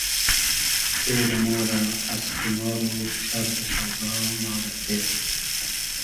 تېرۂ ما رۂ از قیمار و شئرد و سۆدا ما رۂ تیر